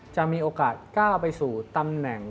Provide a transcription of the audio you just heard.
จะมีโอกาสก้าวไปสู่ตำแหน่ง